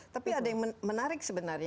tapi ada yang menarik sebenarnya